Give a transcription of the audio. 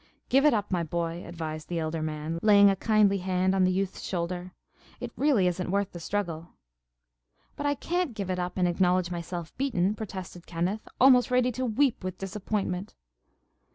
"Give it up, my boy," advised the elder man, laying a kindly hand on the youth's shoulder. "It really isn't worth the struggle." "But I can't give it up and acknowledge myself beaten," protested Kenneth, almost ready to weep with disappointment.